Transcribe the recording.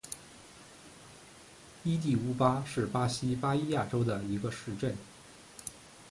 伊蒂乌巴是巴西巴伊亚州的一个市镇。